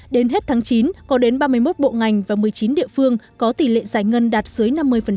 đến hết tháng chín có đến ba mươi một bộ ngành và một mươi chín địa phương có tỷ lệ giải ngân đạt dưới năm mươi